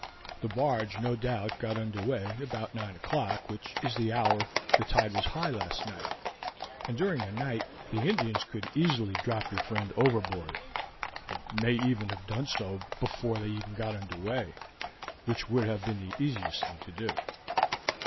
The barge, no doubt, got under way about nine o'clock, which is the hour when the tide was high last night, and during the night the Indians could easily drop your friend overboard and may even have done so before they got under way, which would have been the easiest thing to do.